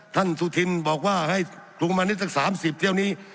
ท่านสุธินบอกว่าให้คลุมมานิดจากสามสิบเท่านี้